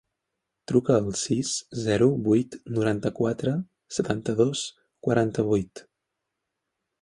Truca al sis, zero, vuit, noranta-quatre, setanta-dos, quaranta-vuit.